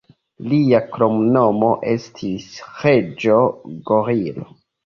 Lia kromnomo estis 'Reĝo Gorilo'.